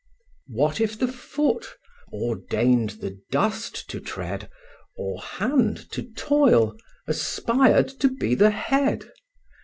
IX. What if the foot, ordained the dust to tread, Or hand, to toil, aspired to be the head?